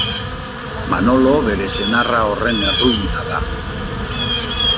Manolo bere senarra horren erruduna da.